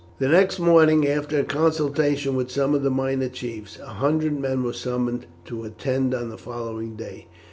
The next morning, after a consultation with some of the minor chiefs, a hundred men were summoned to attend on the following day.